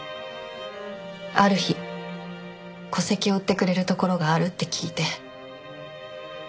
ある日戸籍を売ってくれるところがあるって聞いて。